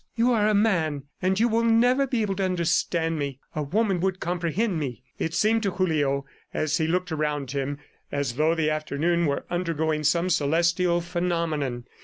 "You are a man, and you will never be able to understand me. ... A woman would comprehend me." It seemed to Julio, as he looked around him, as though the afternoon were undergoing some celestial phenomenon.